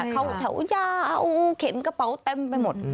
เขาแถวยาวเข็นกระเป๋าเต็มไปหมด